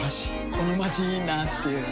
このまちいいなぁっていう